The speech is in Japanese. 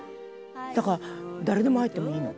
「だから誰でも入ってもいいの」